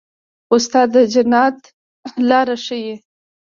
استاد د نجات لار ښيي.